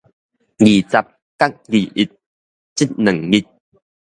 二十佮二一這兩日